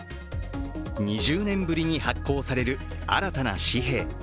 ２０年ぶりに発行される新たな紙幣。